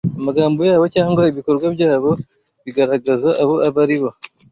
amagambo yabo cyangwa ibikorwa byabo bigaragaza abo baribo